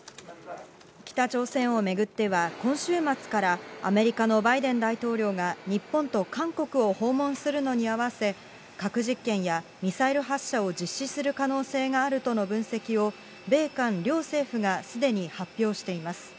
北朝鮮を巡っては、今週末から、アメリカのバイデン大統領が日本と韓国を訪問するのに合わせ、核実験やミサイル発射を実施する可能性があるとの分析を、米韓両政府がすでに発表しています。